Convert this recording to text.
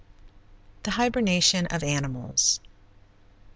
THE HIBERNATION OF ANIMALS.